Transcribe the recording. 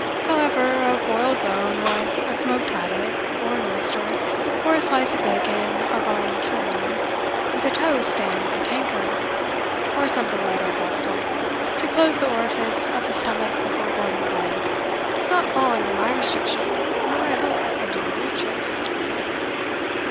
However, a broiled bone, or a smoked haddock, or an oyster, or a slice of bacon of our own curing, with a toast and a tankard or something or other of that sort, to close the orifice of the stomach before going to bed, does not fall under my restriction, nor, I hope, under your lordship's."